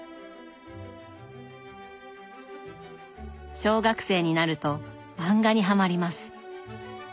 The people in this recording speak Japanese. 小学生になると漫画にはまります。